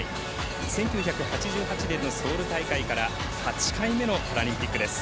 １９８８年のソウル大会から８回目のパラリンピックです。